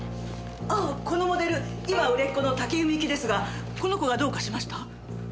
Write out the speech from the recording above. ああこのモデル今売れっ子の武井美由紀ですがこの子がどうかしました？